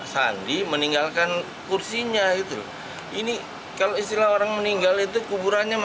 tapi apa yang siap pak